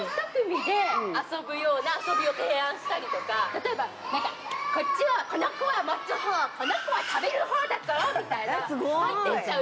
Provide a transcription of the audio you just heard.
例えばこっちはこの子はまく方この子は食べる方だぞみたいな入っていっちゃう